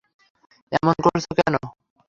এমন করছো কেন?